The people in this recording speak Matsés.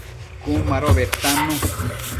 Cun mado bedtannu